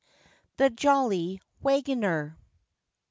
THE JOLLY WAGGONER.